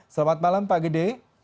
selamat malam pak gede